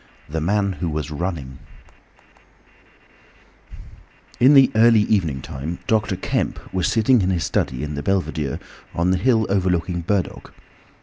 THE MAN WHO WAS RUNNING In the early evening time Dr. Kemp was sitting in his study in the belvedere on the hill overlooking Burdock.